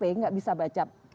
tidak bisa baca